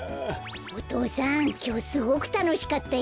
お父さんきょうすごくたのしかったよ。